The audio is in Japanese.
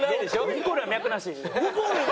ニコルは脈なし！